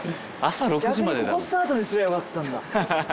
逆にここスタートにすりゃよかったんだ。